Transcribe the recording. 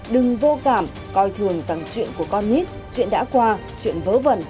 đừng vô cảm coi thường rằng chuyện của con mít chuyện đã qua chuyện vớ vẩn